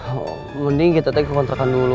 oh mending kita tag ke kontrakan dulu